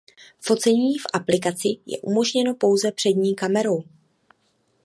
Focení v aplikaci je umožněno pouze přední kamerou.